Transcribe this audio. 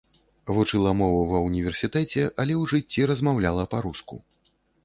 Вучыла мову ва ўніверсітэце, але ў жыцці размаўляла па-руску.